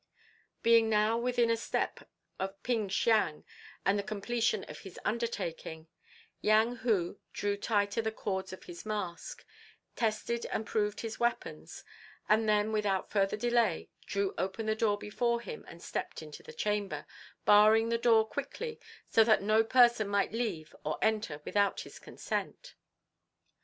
Being now within a step of Ping Siang and the completion of his undertaking, Yang Hu drew tighter the cords of his mask, tested and proved his weapons, and then, without further delay, threw open the door before him and stepped into the chamber, barring the door quickly so that no person might leave or enter without his consent.